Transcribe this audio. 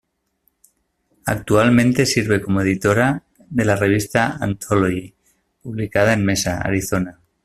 Actualmente sirve como editora de la revista Anthology, publicada en Mesa, Arizona.